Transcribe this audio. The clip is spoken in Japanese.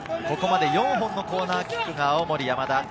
ここまで４本のコーナーキックが青森山田。